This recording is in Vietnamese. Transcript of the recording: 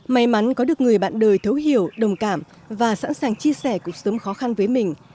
may mắn có được người bạn đời thấu hiểu đồng cảm và sẵn sàng chia sẻ cuộc sống khó khăn với mình